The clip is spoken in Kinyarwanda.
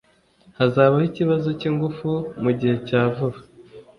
Hazabaho ikibazo cyingufu mugihe cya vuba